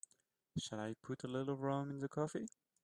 Shall I put a little rum in the coffee?